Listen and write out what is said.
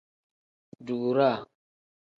Duuraa.